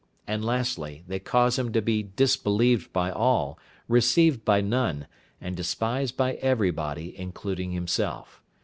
And lastly, they cause him to be disbelieved by all, received by none, and despised by everybody, including himself.